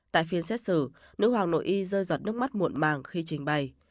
tại phiên xét xử nữ hoàng nội y rơi giọt nước mắt muộn màng khi trình bày